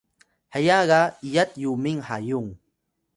heya ga iyat Yuming Hayaung